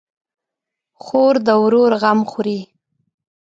خور د ورور غم خوري.